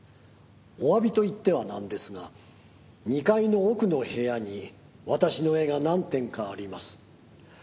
「おわびと言ってはなんですが２階の奥の部屋に私の絵が何点かあります」